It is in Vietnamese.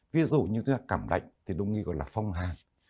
ví dụ như cảm đạnh thì đông y gọi là phong hàn